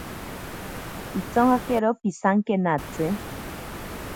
Pitsonkakero pisankenatsi.